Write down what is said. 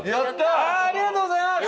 ありがとうございます！